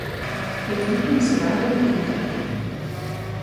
We come from Savallà del Comtat.